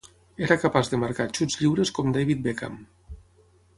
Era capaç de marcar xuts lliures com David Beckham.